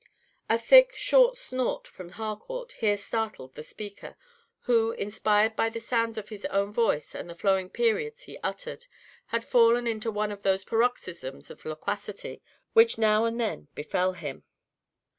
A thick, short snort from Harcourt here startled the speaker, who, inspired by the sounds of his own voice and the flowing periods he uttered, had fallen into one of those paroxysms of loquacity which now and then befell him.